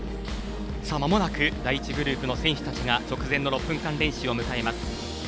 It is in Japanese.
まもなく第１グループの選手たちが直前の６分間練習を始めます。